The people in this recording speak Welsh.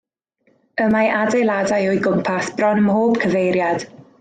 Y mae adeiladau o'i gwmpas bron ym mhob cyfeiriad.